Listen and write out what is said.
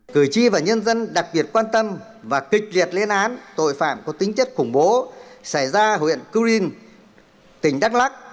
cử tri và nhân dân đặc biệt quan tâm và kịch liệt lên án tội phạm có tính chất khủng bố xảy ra huyện cư rin tỉnh đắk lắc